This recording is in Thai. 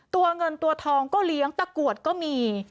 ตัวเงินตัวทองก็เลี้ยงตะกรวดก็มี